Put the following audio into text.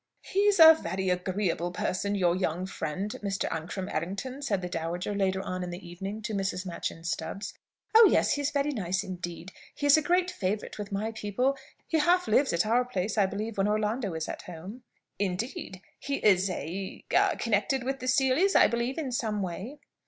"He's a very agreeable person, your young friend, Mr. Ancram Errington," said the dowager, later on in the evening, to Mrs. Machyn Stubbs. "Oh yes; he's very nice indeed. He is a great favourite with my people. He half lives at our place, I believe, when Orlando is at home." "Indeed! He is a a connected with the Seelys, I believe, in some way?"